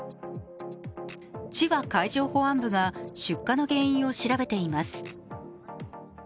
千葉海上保安部が出火の原因を調べています。